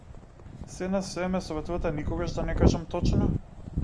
Сѐ на сѐ, ме советувате никогаш да не кажам точно?